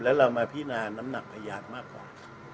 แล้วเรามาพินาน้ำหนักพยานมากกว่า